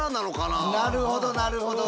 なるほどなるほど。